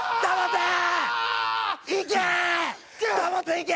いけ！